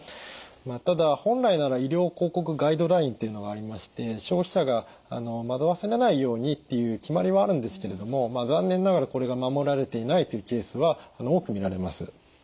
ただ本来なら医療広告ガイドラインっていうのがありまして消費者が惑わされないようにっていう決まりはあるんですけれども残念ながらこれが守られていないというケースは多く見られます。